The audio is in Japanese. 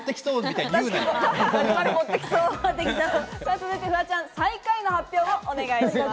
続いてフワちゃん、最下位の発表をお願いします。